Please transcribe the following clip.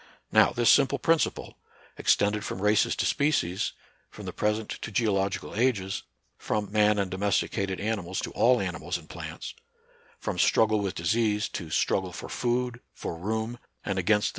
. Now, this simple principle, — extended from races to species ; from the present to geological ages ; from man and domesticated animals to all animals and plants ; from struggle with disease to struggle for food, for room, and against the 46 NATURAL SCIENCE AND RELIGION.